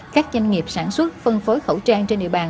các doanh nghiệp sản xuất phân phối khẩu trang trên địa bàn